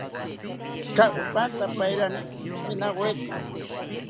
Tzika okanta pairani pikinawetzi